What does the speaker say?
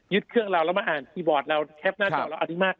ยึดเครื่องเราแล้วมักอ่านคีย์บอร์ดเราแคปหน้าจอแล้วอันนี้มากขึ้น